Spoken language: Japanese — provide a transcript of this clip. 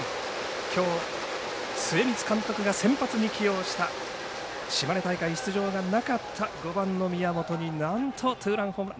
きょう、末光監督が先発に起用した島根大会、出場がなかった５番の宮本になんとツーランホームラン。